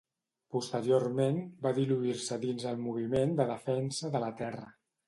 Posteriorment, va diluir-se dins el Moviment de Defensa de la Terra.